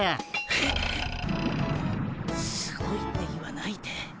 えすごいって言わないで。